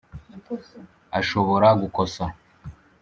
ashobora gukosa